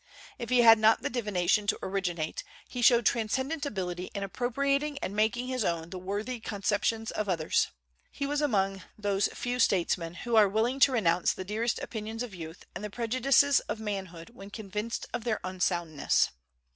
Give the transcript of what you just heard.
If he had not the divination to originate, he showed transcendent ability in appropriating and making his own the worthy conceptions of others. He was among those few statesmen who are willing to renounce the dearest opinions of youth and the prejudices of manhood when convinced of their unsoundness.